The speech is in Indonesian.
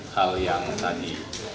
hal yang tadi